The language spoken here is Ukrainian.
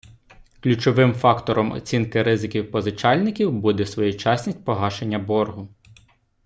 Ключовим фактором оцінки ризиків позичальників буде своєчасність погашення боргу.